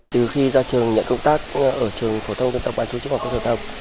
từ khi ra trường nhận công tác ở trường phổ thông dân tộc bán chú trung học cơ học